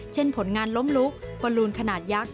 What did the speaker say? ผลงานล้มลุกบอลลูนขนาดยักษ์